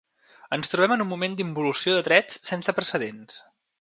Ens trobem en un moment d’involució de drets sense precedents.